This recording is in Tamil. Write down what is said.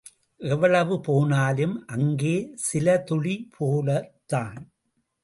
எவ்வளவு போனாலும், அங்கே சிறுதுளிபோலத்தான்!